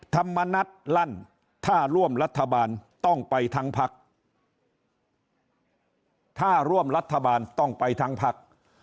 ธรรมนัฏลั่นถ้าร่วมรัฐบาลต้องไปทั้งพักถ้าร่วมรัฐบาลต้องไปทั้งพัก